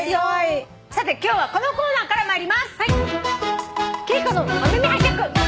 さて今日はこのコーナーから参ります。